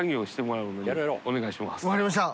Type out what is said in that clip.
淵▲蕁分かりました。